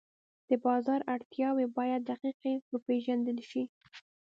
د بازار اړتیاوې باید دقیقې وپېژندل شي.